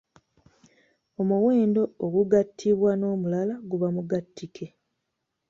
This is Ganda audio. Omuwendo ogugattibwa n’omulala guba Mugattike.